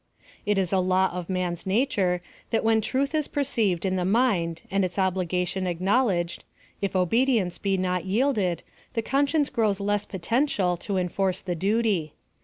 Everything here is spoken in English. It is a law of man's nature, that when the truth is perceived in the mind and its obligation acknowledged, if obedience be not yielded, the conscience grows less potential to enforce the duty.